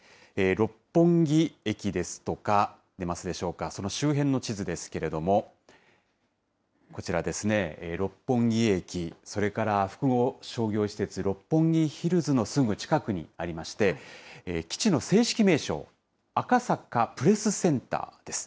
六本木駅ですとか、出ますでしょうか、その周辺の地図ですけれども、こちらですね、六本木駅、それから複合商業施設、六本木ヒルズの近くにありまして、基地の正式名称、赤坂プレスセンターです。